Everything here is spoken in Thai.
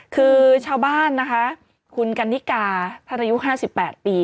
คือชาวบ้านนะคะคุณกันนิกาท่านอายุ๕๘ปี